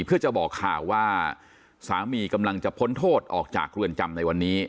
เพื่อจะบอกข่าวว่าสามีกำลังจะพ้นโทษออกจากเรือนจำในวันนี้